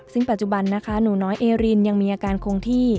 ซึ่งปัจจุบันนะคะหนูน้อยเอรินยังมีอาการคงที่